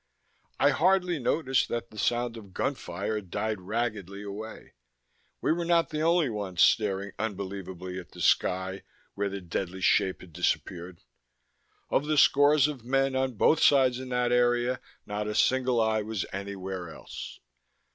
I hardly noticed that the sound of gunfire died raggedly away. We were not the only ones staring unbelievingly at the sky where that deadly shape had disappeared. Of the scores of men on both sides in that area, not a single eye was anywhere else.